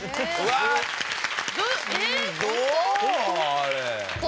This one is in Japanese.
あれ。